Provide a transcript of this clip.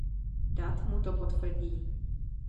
Dat mu to potvrdí.